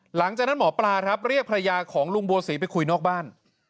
หลังจากนั้นหมอปลาครับเรียกภรรยาของลุงบัวศรีไปคุยนอกบ้าน